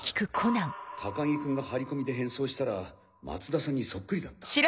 高木君が張り込みで変装したら松田さんにそっくりだった。